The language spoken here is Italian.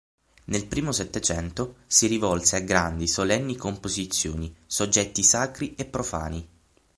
Nel primo Settecento, si rivolse a grandi solenni composizioni, soggetti sacri e profani.